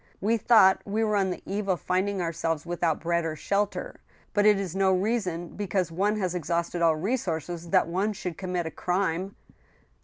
We thought we were on the eve of finding ourselves without bread or shelter ; but it is no reason, be cause one has exhausted all resources, that one should commit a crime